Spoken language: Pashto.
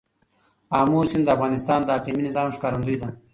آمو سیند د افغانستان د اقلیمي نظام ښکارندوی ده.